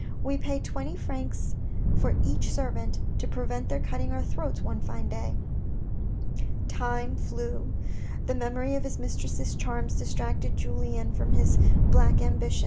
We pay twenty francs for each servant, to prevent their cutting our throats one fine day. Time flew. The memory of his mistress's charms distracted Julien from his black ambition.